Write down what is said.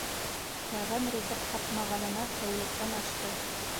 Тәғәм ризыҡ ҡапмағанына тәүлектән ашты.